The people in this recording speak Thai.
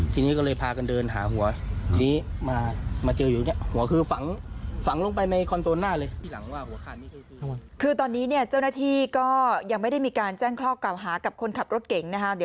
ทีนี้ก็เลยพากันหาหัวทีนี้มามาเจออยู่